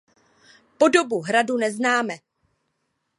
Podobu hradu neznáme.